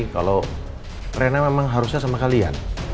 kalau rena memang harusnya sama kalian